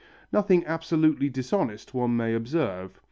Nothing absolutely dishonest, one may observe.